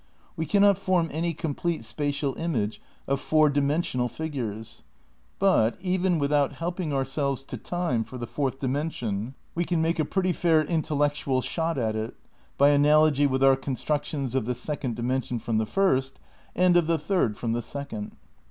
We cannot form any com ^^^, plete spatial image of four dimensional figures ; but, sion even without helping ourselves to Time for the fourth dimension, we can make a pretty fair intellectual shot at it, by analogy with our constructions of the second dimension from the first, and of the third from the second.